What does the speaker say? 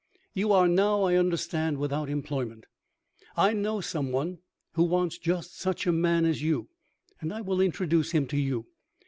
"You are now, I understand, without employment. I know some one who wants just such a man as you, and I will introduce him to you.